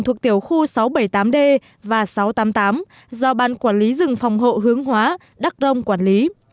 thuộc tiểu khu sáu trăm bảy mươi tám d và sáu trăm tám mươi tám do ban quản lý rừng phòng hộ hướng hóa đắc rông quản lý